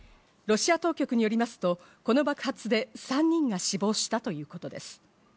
ロシア当局によりますと、この爆発で３人が死亡したということです。